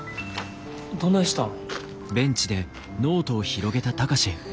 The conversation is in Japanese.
どないしたん。